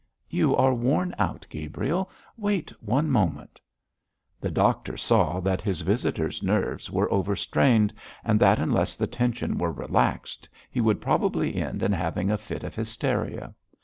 'You are worn out, Gabriel. Wait one moment.' The doctor saw that his visitor's nerves were overstrained, and that, unless the tension were relaxed, he would probably end in having a fit of hysteria.